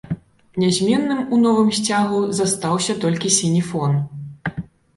Нязменным у новым сцягу застаўся толькі сіні фон.